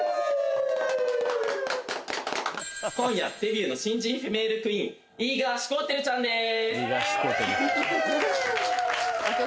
今夜デビューの新人フィメールクイーンイーガーシュコーテルちゃんです